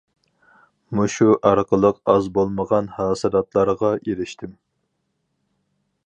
مۇشۇ ئارقىلىق ئاز بولمىغان ھاسىلاتلارغا ئېرىشتىم.